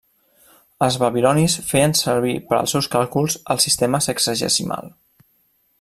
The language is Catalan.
Els babilonis feien servir per als seus càlculs el sistema sexagesimal.